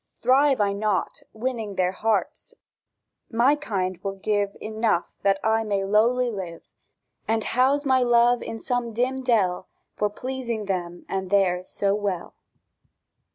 Thrive I not, "Winning their hearts, my kind will give Enough that I may lowly live, And house my Love in some dim dell, For pleasing them and theirs so well."